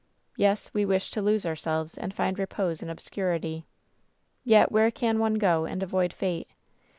"Yes, we wished to lose ourselves and find repose in obscurity. "Yet where can one go and avoid fate?